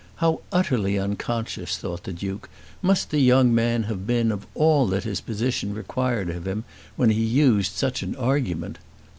How utterly unconscious, thought the Duke, must the young man have been of all that his position required of him when he used such an argument!